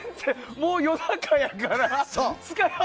もう夜中やから。